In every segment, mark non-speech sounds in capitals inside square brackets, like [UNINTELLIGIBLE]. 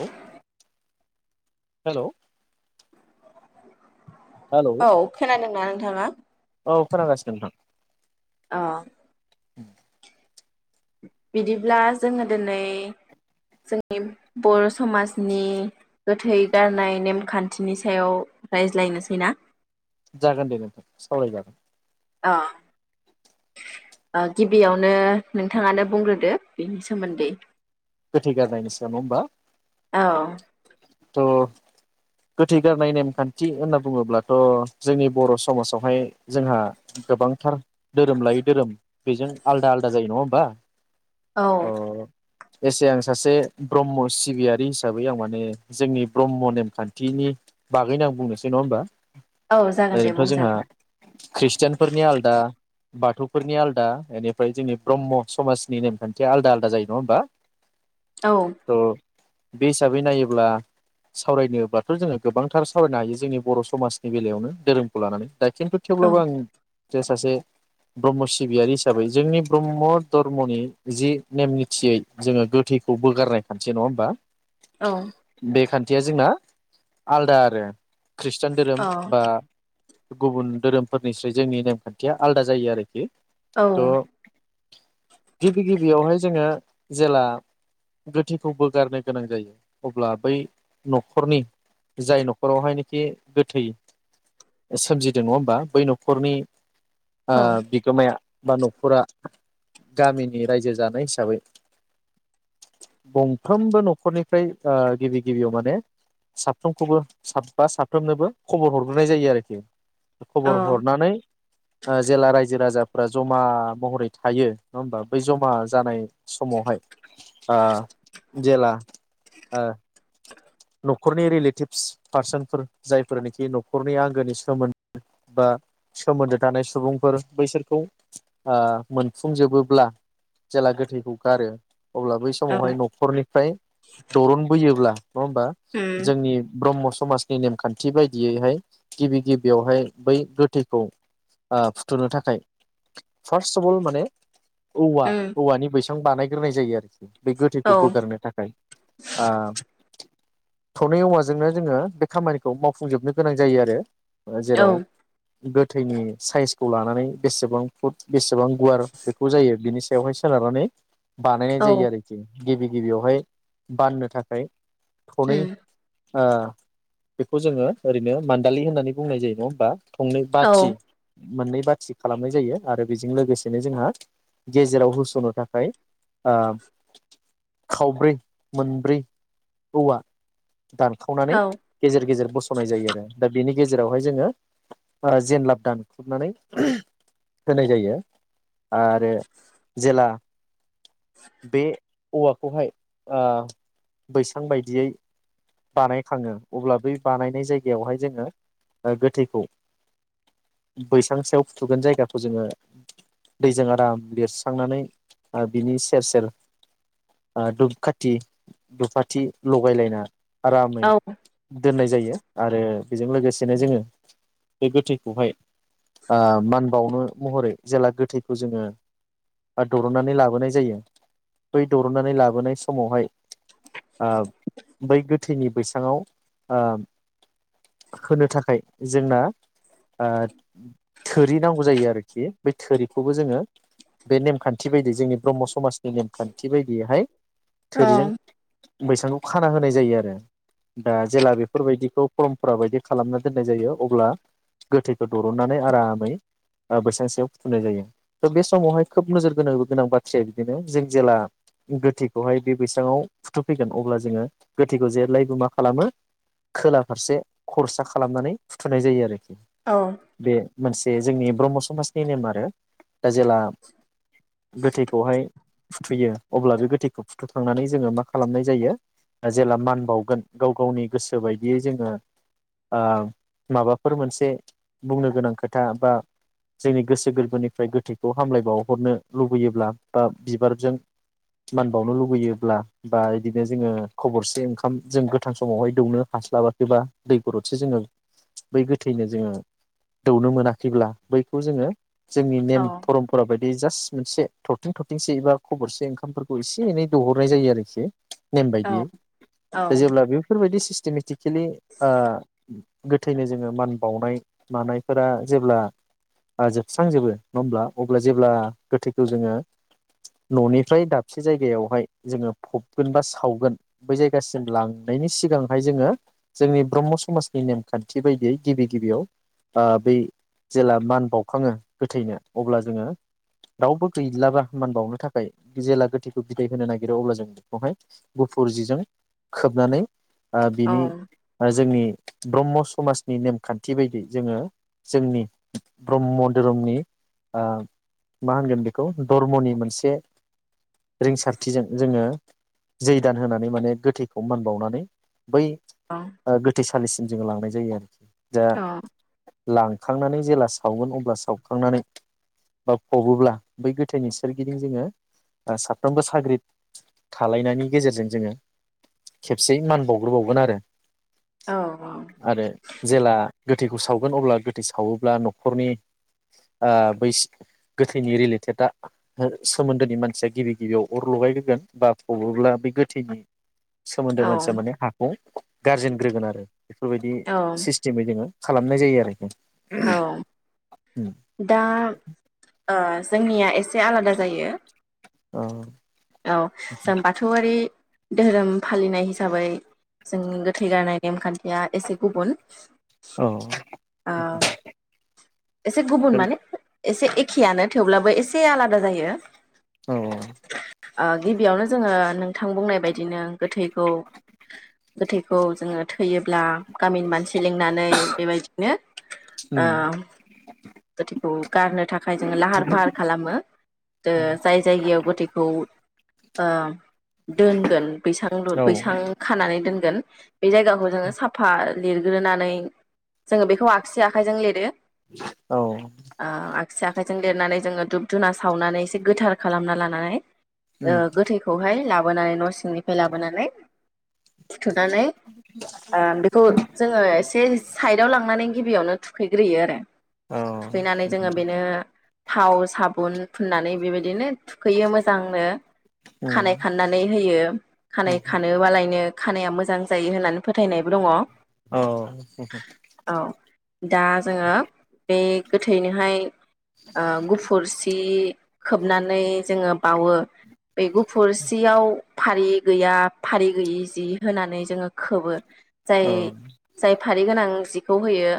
औ hello, hello औ खोनादोंना थाङा। औ खोनागासिनो नोंथां अ उम बिदिब्ला जोङो दिनै जोंनि बर' समाजनि गोथै गारनाय नेमखान्थिनि सायाव रायज्लायनोसै ना जागोन दे नोंथां सावरायजागोन आ ओ गिबियावनो नोंथाङानो बुंग्रोदो बेनि सोमोन्दै गोथै गारनायनि सायाव नङा हमबा औ थ'। गोथै गारनाय नेमखान्थि होनना बुङोब्लाथ जोंनि बर समाजावहाय जोंहा गोबांथार धोरोम लायै धोरोम बेजों आलदा आलदा जायो नङा होमबा औ अ एसे आं सासे ब्रह्म सिबियारि हिसाबै आं माने जोंनि ब्रह्म नेमखान्थिनि बागैनो आं बुंनोसै नङा होमबा औ जागोन दे ओरैनोथ जोंहा बुंजागोन ख्रिस्टियानफोरनि आलदा बाथौफोरनिया आलदा एनिफ्राय जोंनि ब्रह्म समाजनि नेमखान्थिया आलदा आलदा जायो नङा होमबा औ थ' बे हिसाबै नायोब्ला सावरायनोबाथ जोङो गोबांथार सावरायनो हायो जोंनि बर समाजनि बेलायावनो धोरोमखौ लानानै दा खिन्थु औ थेवब्लाबो आं जे सासे ब्रह्म सिबियारि हिसाबै जोंनि ब्रह्म धर्मनि जि नेम निथियै जोङो गोथैखौ बोगारनाय खानथि नङा होमबा औ बेखान थिया जोंना आलदा आरो ख्रिष्टान धोरोम औ बा गुबुन धोरोमफोरनिस्रै जोंनि नेमखान्थिया आलादा जायो आरोखि औ थ गिबि गिबियावहाय जोङो जेला गोथैखौ बोगारनो गोनां जायो अब्ला बै नखरनि जाय नखरावहायनोखि गोथै सोमजिदों नङा होमबा बै नखरनि ओ औ बिगोमाया बा नखरा गामिनि रायजो जानाय हिसाबै गंफ्रोमबो नखरनिफ्राय ओ गिबि गिबियाव माने साफ्रोमखौबो साब बा साफ्रोमनोबो खबर हरग्रोनाय जायो आरोखि। औ खबर हरनानै ओ जेला रायजो राजा फोरा जमा महरै थायो नङा होमबा बै जमा जानाय समावहाय आ जेला ओ न खरनि रिलेटिभ्स पार्सनफोर जायफोरनिखि नखरनि आंगोनि सोमोन्द बा सोमोन्दो थानाय सुबुंफोर बैसोरखौ ओ मोनफुंजोबोब्ला जेला गोथैखौ गारो अब्ला बै औ समावहाय नखरनिफ्राय दरन बोयोब्ला नङा होमबा उम जोंनि ब्रह्म स समाजनि नेमखान्थि बायदियैहाय गिबि गिबियावहाय बै गोथैखौ ओ फुथुनो थाखाय फार्स्टफल माने औवा उम औवानि बैस सां बानाय गोरनाय जायो आ [UNINTELLIGIBLE] बे गोथैखौ औ बोगारनो थाखाय आं थनै औवाजोंनो जोङो बे खामानिखौ मावफुंजोबनो गोनां जायो आरो ओ औ जेराव गोथैनि साइसखौ लानानै बेसेबां फुट बेसेबां गुवार बेखौ जायो बिनिस बेवहाय सोनारनानै बानायनाय औ जायो आरोखि। गिबि गिबियावहाय बाननो थाखाय थ'नै उम ओ बेखौ जोङो ओरैनो मान्दालि होननानै बुंनाय जायो नङा होमबा। थंनै औ बाथि मोननै बाथि खालामनाय जायो आरो बेजों लोगोसेनो जोंहा गेजेराव होस'नो थाखाय ओ खावब्रै मोनब्रै औवा दानखावनानै औ गेजेर गेजेर बस'नाय जायो आरो दा बेनि गेजेरावहाय जोङो ओ जेनलाब दानख्रुबनानै होनाय जायो। आरो जेला बे औवाखौहाय ओ बैसां बायदियै बानायखाङो अब्ला बै बानायनाय जायगायावहाय जोङो ओ गोथैखौ बैसां सायाव फुथुगोन जायगाखौ जोङो दैजों आराम लिरस्रांनानै ओ बिनि सेर सेर ओ दुफखाथि दुफखाथि लगायलायना आरामै औ दोननाय जायो आरो बेजों लोगोसेनो जोङो बे गोथैखौहाय ओ मान बावनो महरै जेला गोथैखौ जोङो दर'नानै लाबोनाय जायो बै दर'नानै लाबोनाय समावहाय आ बै गो थैनि बैसाङाव ओ होनो थाखाय जोंना ओ थोरि नांगौ जायो आरोखि बे थोरिखौबो जोङो बे नेमखान्थि बायदियै जोंनि ब्रह्म समाजनि नेमखान्थि बायदियैहाय थोरिजों औ बैसांखौ खाना होनाय जायो आरो दा जेला बेफोरबायदिखौ फरमपरा बायदि खालामना दोननाय जायो अब्ला गोथैखौ दरननानै आरामै बैसां सायाव फुथुनाय जायो। थ' बे समावहाय खोब नोजोर होनोनो गोनां बाथ्राया बिदिनो जों जेला गोथैखौहाय बे बैसाङाव फुथुफैगोन अब्ला जोङो गोथै जेब्लायबो मा खालामो खोला फारसे खरसा खालामनानै फुथुनाय जायो आरोखि। बे मोनसे बे जोंनि ब्रह्म समाजनि नेम आरो दा जेला गोथैखौहाय फुथुयो अब्ला बे गोथैखौ फुथुखांनानै जोङो मा खालामनाय जायो जेला मान बावगोन गाव गावनि गोसो बायदियै जोङो ओ माबाफोर मोनसे बुंनो गोनां खोथा बा जोंनि गोसो गोरबोनिफ्राय गोथैखौ हामलायबावहरनो लुबैयोब्ला बा बिबारजों मान बावनो लुबैयोब्ला बा बिदिनो जोङो खब'से ओंखाम जों गोथां समावहाय दौनो हास्लाबाखैबा दै गरदसे जोङो बै गोथैनो जोङो दौनो मोनाखैब्ला बैखौ जोङो जोंनि नेम परमपरा बायदि जास्ट मोनसे थरथिं थरथिंसे बा खब'से ओंखामफोरखौ एसे एनै दहरनाय जायो आरोखि। नेम बायदियै। औ जेब्ला बेफोर सिस्टेमेटिक [UNINTELLIGIBLE] ओ गोथैनो जोङो मान बावनाय मानायफोरा जेब्ला ओ जोबस्रांजोबो नङा होमब्ला अब्ला जेब्ला गोथैखौ जोङो न'निफ्राय दाबसे जायगायावहाय जोङो फबगोन बा सावगोन बै जायगासिम लांनायनि सिगांहाय जोङो जोंनि ब्रह्म समाजनि नेमखान्थि बायदियै गिबि गिबियाव आ बै जेला मान बाउखाङो गोथैनो अब्ला जोङो रावबो गैलाबा मान बावनो थाखाय जेला गोथैखौ बिदाय होनो नागिरो अब्ला जों बेखौहाय गु फुरजिजों खोबनानै ओ औ बिनि औ जोंनि ब्रह्म समाजनि नेमखान्थि बायदि जोङो जोंनि ब्रह्म धोरोमनि ओ मा होनगोन बेखौ धर्मनि मोनसे रिंसारथिजों जोङो [UNINTELLIGIBLE] दान होनानै माने गोथैखौ मानबावनानै बै औ गोथैसालिसिम जोङो लांनाय जायो आरोखि दा औ लां सावखांनानै जेब्ला सावगोन अब्ला सावखांनानै बा फबोब्ला बै गोथैनि सोरगिदिं जोङो साफ्रोमबो साग्रिद थालायनानै गेजेरजों जोङो खेबसे मान बावग्रोबावगोन आरो औ आरो जेला गोथैखौ सावगोन अब्ला सावोब्ला न'खरनि ओ बैसो गोथैनि रिलेटेडआ सोमोन्दोनि मानसिया गिबि गिबियाव अर लगायग्रोगोन बा फबोब्ला बे गोथैनि सोमोन्दो औ मानसिया माने हाखौ गारजेनग्रोगोन आरो बेफोरबायदि सिस्टेमै जोङो खालामनाय जायो आरोखि औ दा ओ जोंनिया एसे आलादा जायो औ औ जों बाथौआरि दोहोरोम फालिनाय हिसाबै जोंनि गोथै गारनाय नेमखान्थिया एसे गुबुन औ ओ एसे गुबुन माने एसे एखेआनो थेवब्लाबो एसे आलादा जायो। औ ओ गिबियावनो जोङो नोंथां बुंनाय बायदिनो गोथैखौ गोथैखौ जोङो थैयोब्ला गामिनि मानसि लिंनानै बेबायदिनो ओ गोथैखौ गारनो थाख थाखाय जोङो लाहार फाहार खालामो ओ जाय जायगायाव गथै औ ओ दोनगोन बांसां लु औ बैसां खानानै दोन बे जायगाखौ जोङो साफा लिरग्रोनानै जोङो बेखौ आगसि आखायजों लिरो ओ आगसि आखायजों लिरनानै जोङो धुब दुना सावनानै एसे गोथार खालामना लानानै ओ गोथैखौहाय लाबोनानै न' सिंनिफ्राय लाबोनानै फुथुनानै ओ बेखौ जोङो एसे साइदाव लांनानै गिबियावनो थुखैग्रोयो आरो थुखैनानै जोङो बेनो थाव साबुन फुननानै बेबायदिनो थुखैयो मो दांनो खानाय खाननानै होयो खानाय खानोबा लायनो खानाया मोजां जायो होननानै फोथायनायबो दंङ औ अ दा जोङो बे गोथैनो हाय गुफुर जि खोबनानै जोङो बावो बे गुफुर सियाव फारि गैया फारि गैयि जि होनानै जोङो खोबो जाय जाय फारि गोनां जिखौ होयो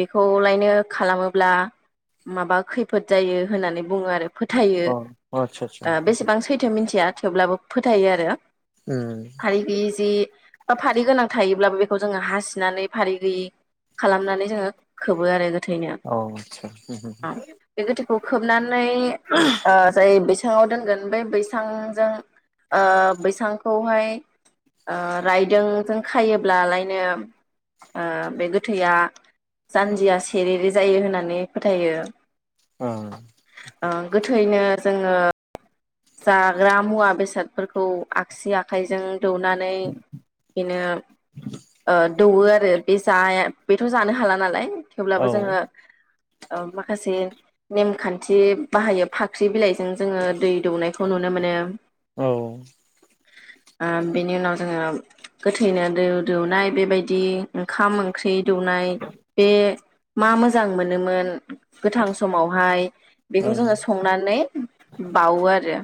बेखौलायनो खालामोब्ला माबा खैफोद जायो होननानै बुङो आरो फोथायो आ बेसेबां सैथो मिथि थिया थेवब्लाबो फोथायो आरो फारि गैयै जि बा फारि गोनां थायोब्लाबो बेखौ जोङो हासिनानै फारि गैयै खालामनानै जोङो खोबो आरो गोथैनो [UNINTELLIGIBLE] खौ खोबनानै ओ जाय बैस साङाव दोनगोन बे बैसांजों ओ बैसांखौहाय ओ रायदोंजों खायोब्लालायनो ओ बे गोथैया जानजिया सेरेरे जायो होननानै फोथायो ओ गोथैनो जोङो [INAUDIBLE] जाग्रा मुवा बेसादफोरखौ आगसि आखाइजों दौनानै बेनो ओ दौवो आरो बे जाया बेथ' जानो हाला नालाय थेवब्लाबो औ जोङो ओ माखासे नेमखान्थि बाहायो फाख्रि बिलाइजों जोङो दै दौनायखौ नुनो मोनो उम बेनि उनाव जोङो गोथैनो दै दौनाय बेबायदि ओंखाम ओंख्रि दौनाय बे मा मोजां मोनोमोन गोथां समावहाय बेखौ औ जोङो संनानै बावो आर रो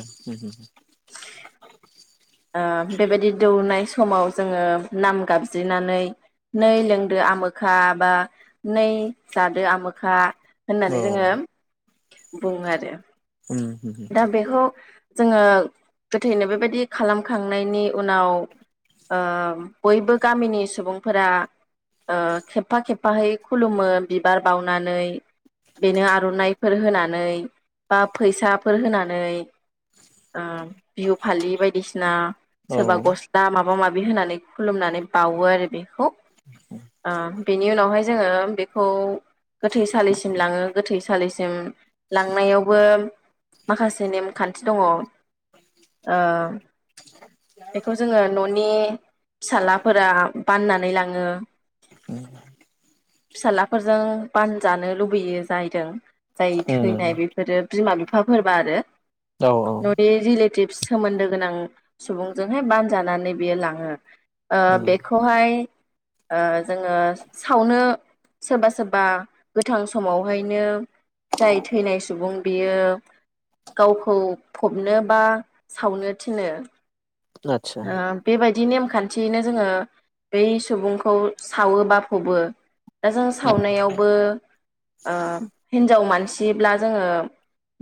[INAUDIBLE] ओ बेबायदि दौनाय समाव जोङो नाम गाबज्रिनानै नै लोंदो आमोखा बा नै जादो आमोखा औ होननानै जोङो बुङो आरो आतसा औ दा बेखौ जोङो गोथैनो बेबादि खालामखांनायनि उनाव ओ बयबो गामिनि सुबुंफोरा ओ खेबफा खेबफाहै खुलुमो बिबार बावनानै बेनो आर'नाइफोर होनानै बा फैसाफोर होनानै ओ बिहु फालि बायदि बिसना सोरबा औ गस्ला माबा माबि होनानै खुलुमनानै बावो आरो बेखौ ओ बेनि उनावहाय जोङो बेखौ गोथैसालिसिम लाङो गोथैसालिसिम लांनायावबो माखासे नेमखान्थि दङ ओ बेखौ जोङो न'नि फिस्लाफोरा बाननानै लाङो फिसालाफोरजों बानजानो लुबैयो जायदों जाय थैनाय आतसा औ बेफोरो बिमा बिफाफोरबा आरो औ औ रिलेटिबस सोमोन्दो गोनां सुबुंजोंहाय बानजानानै बियो लाङो ओ बेखौहाय ओ जोङो सावनो सोरबा सोरबा गोथां समावहायनो जाय थैनाय सुबुं बियो गावखौ फबनो बा सावनो थिनो ओ औ बेबाय बिदि नेमखान्थियैनो जोङो बै सुबुंखौ सावोबा फबो दा जों सावनायावबो ओ हिन्जाव मानसिब्ला जोङो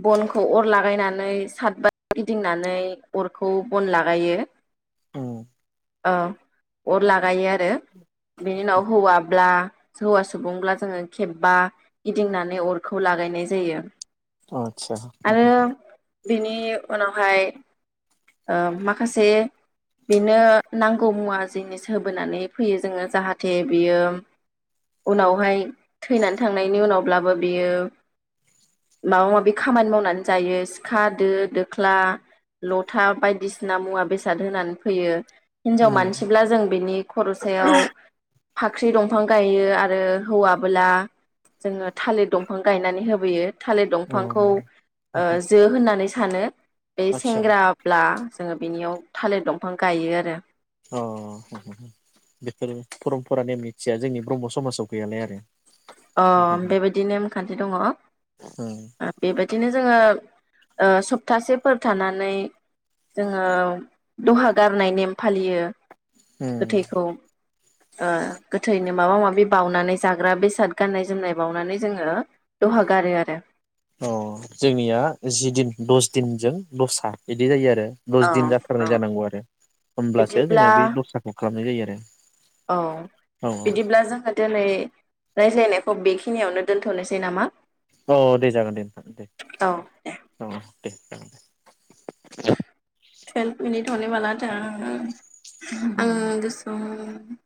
बनखौ अर लागायनानै सादबार गिदिंनानै अरखौ बन लागायो ओ अर लागायो आरो बेनि उनाव हौवाब्ला हौवा सुबुंब्ला जोङो खेबबा गिदिंनानै अरखौ लागायनाय जायो आच्छा बिनि उनावहाय ओ माखासे बेनो नांगौ मुवा जिनिस होबोनानै फैयो जोङो जाहाथे बियो उनावहाय थैनानै थांनायनि उनावब्लाबो बियो माबा माबि खामानि मावनानै जायो सिखा दो दोख्ला ल था बायदिसिना मुवा बेसाद होनानै फैयो हिनजाव मानसिब्ला जों बेनि खर' सायाव फाख्रि दंफां गायो आरो हौवाबोला जोङो थालिर दंफां गायनानै होबोयो थालिर औ दंफांखौ ऐ जो होननानै सानो बे आदसा सेंग्रा ब्ला जोङो बिनियाव थालिर दंफां गायो आरो परम्परानि मिथिया जोंनि ब्रह्म समाजाव गैयालाय आरो अ बेबायदि नेमखान न्थि दङ औ बेबायदिनो जोङो ओ सप्तासेफोर थानानै जोङो दहा गारनाय नेम फालियो गोथैखौ ओ गोथैनो माबा माबि बावनानै जाग्रा बेसाद गाननाय जोमनाय बावनानै जोङो दहा गारो आरो अ जोंनिया जिदिन दस दिनजों दसा बिदि जायो आरो दस औ दिन औ जाथारनाय जानांगौ आरो होमब्लासो बिदिब्ला जोङो बे दसाखौ खालामनाय जायो औ आरो औ बिदिब्ला जोङो दिनै रायज्लायनायखौ बेखिनियावनो दोन्थ'नोसै नामा औ दे जागोन दे नोंथां दे औ दे औ दे जागोन दे टुवेल्भ मिनिट हने वाला था आङो गोसोआव